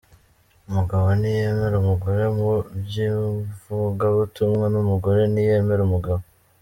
Umugabo ntiyemera umugore mu by’ivugabutumwa, n’umugore ntiyemera umugabo.